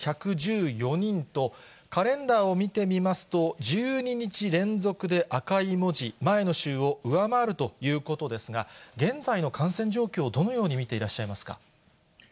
きょうは１万１１４人と、カレンダーを見てみますと、１２日連続で赤い文字、前の週を上回るということですが、現在の感染状況、どのように見ていらっしゃいますか。